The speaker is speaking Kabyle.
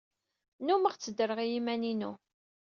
Nnumeɣ tteddreɣ i yiman-inu.